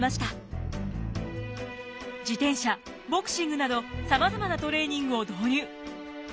自転車ボクシングなどさまざまなトレーニングを導入。